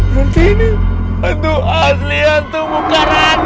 berarti ini hantu asli hantu mukarek